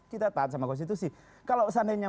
kita taat sama konstitusi kalau seandainya